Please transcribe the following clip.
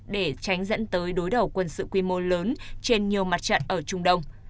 để tránh dẫn tới đối đầu quân sự quy mô lớn trên nhiều mặt trận ở trung đông